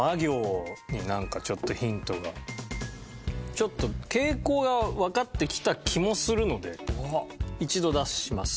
ちょっと傾向がわかってきた気もするので一度出します。